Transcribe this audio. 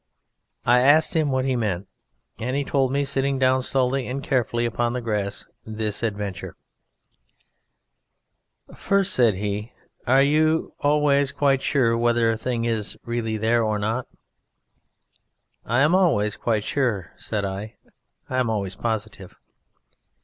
I asked him what he meant, and he told me, sitting down slowly and carefully upon the grass, this adventure: "First," said he, "are you always quite sure whether a thing is really there or not?" "I am always quite sure," said I; "I am always positive."